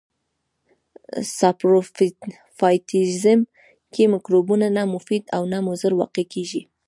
ساپروفایټیزم کې مکروبونه نه مفید او نه مضر واقع کیږي.